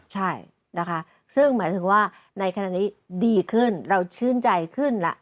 ใช่นะคะซึ่งหมายถึงว่าในขณะนี้ดีขึ้นเราชื่นใจขึ้นแล้ว